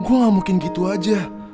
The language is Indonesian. gue gak mungkin gitu aja